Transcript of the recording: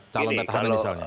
calon pertahanan misalnya